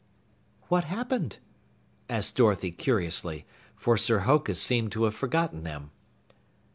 "What happened?" asked Dorothy curiously, for Sir Hokus seemed to have forgotten them.